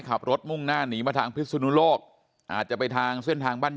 มุ่งหน้าหนีมาทางพิศนุโลกอาจจะไปทางเส้นทางบ้าน